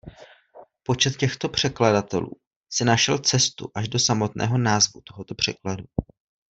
Počet těchto překladatelů si našel cestu až do samotného názvu tohoto překladu.